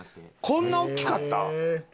こんな大きかった？